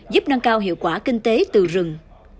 giúp nâng cao hiệu quả kinh tế từ rừng